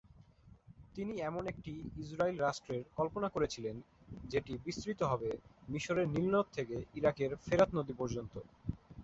তিনি এমন একটি ইসরাইল রাষ্ট্রের কল্পনা করেছিলেন যেটি বিস্তৃত হবে মিশরের নীল নদ থেকে ইরাকের ফোরাত নদী পর্যন্ত।